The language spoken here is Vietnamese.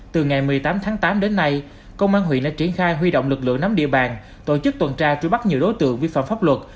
từ ngày một mươi tám tháng tám đến nay công an huyện đã triển khai huy động lực lượng nắm địa bàn tổ chức tuần tra truy bắt nhiều đối tượng vi phạm pháp luật